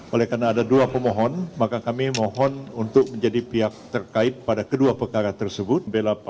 oleh karena ada dua pemohon maka kami mohon untuk menjadi pihak terkait pada kedua perkara tersebut